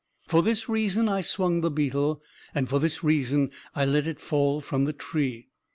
For this reason I swung the beetle, and for this reason I let it fall from the tree.